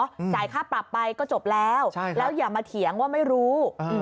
จ่ายค่าปรับไปก็จบแล้วใช่แล้วอย่ามาเถียงว่าไม่รู้อืม